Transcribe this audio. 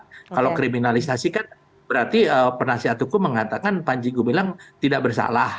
kalau kriminalisasi kan berarti penasihat hukum mengatakan panji gumilang tidak bersalah